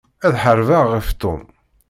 Ad ḥarbeɣ ɣef Tom.